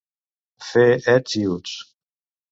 Fer ets i uts.